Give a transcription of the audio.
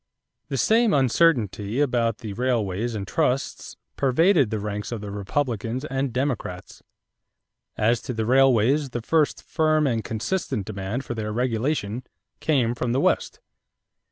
= The same uncertainty about the railways and trusts pervaded the ranks of the Republicans and Democrats. As to the railways, the first firm and consistent demand for their regulation came from the West.